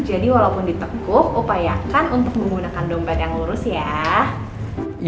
jadi walaupun ditekuk upayakan untuk menggunakan dompet yang lurus ya